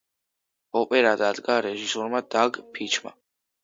ოპერა დადგა რეჟისორმა დაგ ფიჩმა.